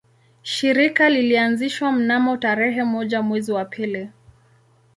Shirika lilianzishwa mnamo tarehe moja mwezi wa pili